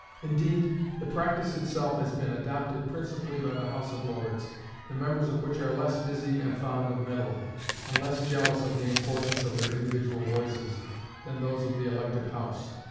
Indeed, the practice itself has been adopted principally by the House of Lords, the members of which are less busy and fond of meddling, and less jealous of the importance of their individual voices, than those of the elective House.